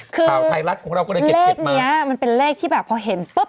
คือเลขนี้มันเป็นเลขที่แบบพอเห็นปุ๊บ